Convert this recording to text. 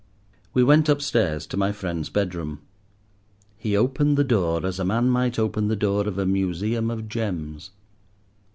We went upstairs to my friend's bedroom. He opened the door as a man might open the door of a museum of gems.